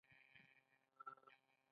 د وینې سپین کرویات څه کوي؟